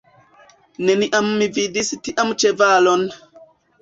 Neniam mi vidis tian ĉevalon!